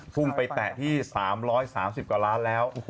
พุ่งไปแตะที่๓๓๐กว่าล้านแล้ว